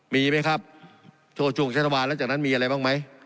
มีไหมครับโทษช่วงเชตวาลแล้วจากนั้นมีอะไรบ้างไหม